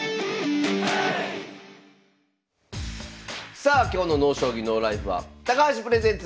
さあ今日の「ＮＯ将棋ＮＯＬＩＦＥ」は「高橋プレゼンツ